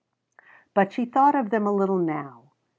But she thought of them a little now.